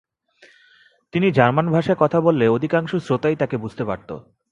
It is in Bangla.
তিনি জার্মান ভাষায় কথা বললে অধিকাংশ শ্রোতাই তাকে বুঝতে পারত।